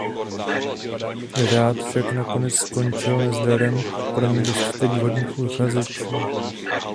Řád však nakonec skončil nezdarem pro nedostatek vhodných uchazečů.